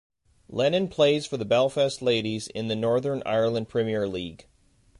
Lennon plays for Belfast Ladies in the Northern Ireland Premier League.